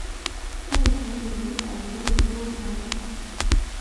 目前有一百零五艘船艇。